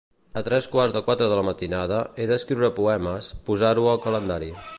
A tres quarts de quatre de la matinada he d'escriure poemes, posa-ho al calendari.